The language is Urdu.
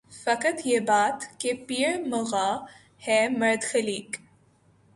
فقط یہ بات کہ پیر مغاں ہے مرد خلیق